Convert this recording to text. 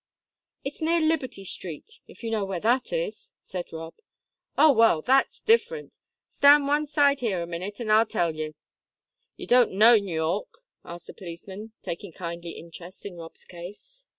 "It's near Liberty Street, if you know where that is," said Rob. "Oh, well, that's different. Stand one side here a minute an' I'll tell ye. Ye don't know N'Yawk?" asked the policeman, taking kindly interest in Rob's case.